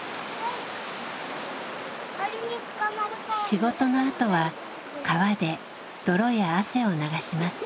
仕事のあとは川で泥や汗を流します。